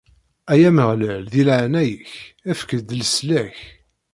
Ay Ameɣlal, di leɛnaya-k, efk-d leslak!